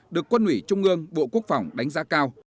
được quân ủy trung ương bộ quốc phòng đánh giá cao